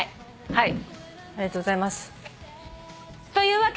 はい。